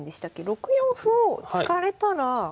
６四歩を突かれたら。